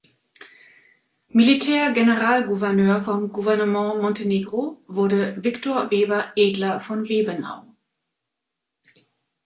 Militär-Generalgouverneur vom Gouvernement Montenegro wurde Viktor Weber Edler von Webenau.